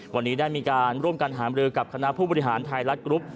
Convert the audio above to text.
วันนี้ได้มีการร่วมกันหามรือกับคณะผู้บริหารไทยรัฐกรุ๊ป